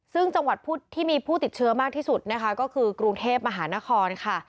ซึ่งจังหวัดที่มีผู้ติดเชื้อมากที่สุดนะคะก็คือกรุงเทพมหานครค่ะ